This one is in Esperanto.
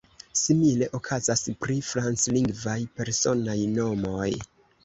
Simile okazas pri franclingvaj personaj nomoj.